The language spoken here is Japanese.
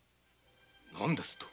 何ですと？